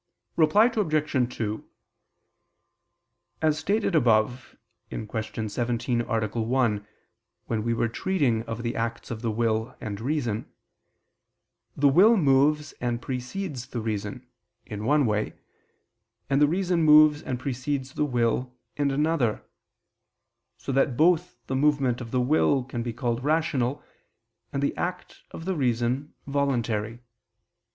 Reply Obj. 2: As stated above (Q. 17, A. 1), when we were treating of the acts of the will and reason, the will moves and precedes the reason, in one way, and the reason moves and precedes the will in another: so that both the movement of the will can be called rational, and the act of the reason, voluntary.